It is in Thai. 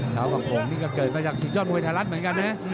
เท้ากำโขงนี่ก็เกิดมาจากสิ่งยอดมวยไทยรัฐเหมือนกันเนี่ย